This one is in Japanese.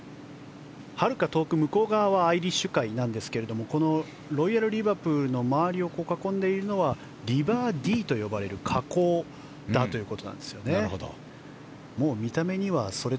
はるか遠く、向こう側はアイリッシュ海ですがこのロイヤルリバプールの周りを囲んでいるのはリバーディーと呼ばれる河口だということです。